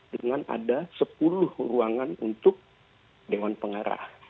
dengan ada sepuluh ruangan untuk dewan pengarah